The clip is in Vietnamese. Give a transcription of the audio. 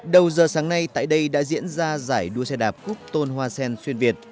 đầu giờ sáng nay tại đây đã diễn ra giải đua xe đạp cúc tôn hoa sen xuyên việt